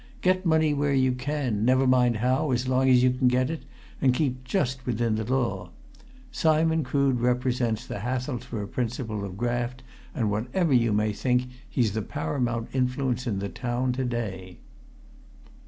Get money where you can never mind how, as long as you get it, and keep just within the law. Simon Crood represents the Hathelsborough principle of graft, and whatever you may think, he's the paramount influence in the town to day."